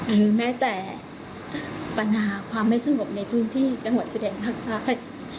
หรือแม้แต่ประณาความไม่สมบในพื้นที่จังหวัดเสดงหักไทย